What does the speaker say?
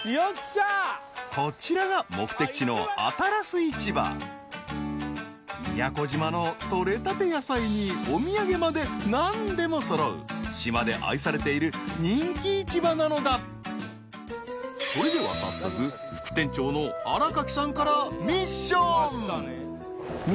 こちらが目的地のあたらす市場宮古島のとれたて野菜にお土産まで何でもそろう島で愛されている人気市場なのだそれでは早速そういうことだったのか。